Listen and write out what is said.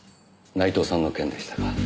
内藤さんの件でしたか。